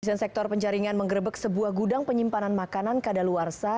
kepolisian sektor penjaringan menggerebek sebuah gudang penyimpanan makanan ke daluarsa